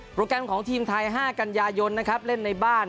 โปรแกรมของทีมไทย๕กัญญายนเล่นในบ้าน